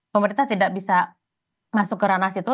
pemerintah tidak bisa masuk ke ranas itu